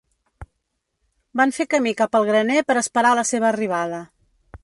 Van fer camí cap al graner per esperar la seva arribada.